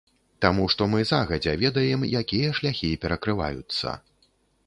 Таму што мы загадзя ведаем, якія шляхі перакрываюцца.